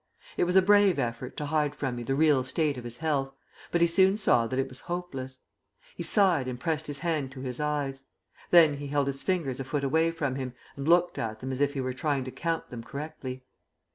It was a brave effort to hide from me the real state of his health, but he soon saw that it was hopeless. He sighed and pressed his hand to his eyes. Then he held his fingers a foot away from him, and looked at them as if he were trying to count them correctly.